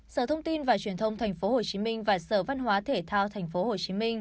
sở thông tin và truyền thông tp hcm và sở văn hóa thể thao tp hcm